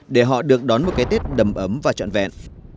để họ được đón một cái tết đầm ấm và trọn vẹn